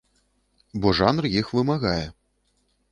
Бо жанр іх вымагае.